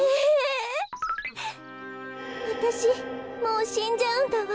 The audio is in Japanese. わたしもうしんじゃうんだわ。